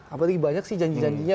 apalagi banyak sih janji janjinya